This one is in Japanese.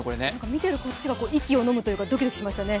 見てるこっちが息をのむというかドキドキしましたね。